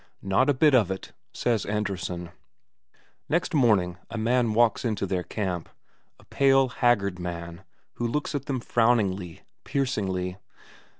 "Not a bit of it," says Andresen. Next morning a man walks into their camp a pale, haggard man who looks at them frowningly, piercingly.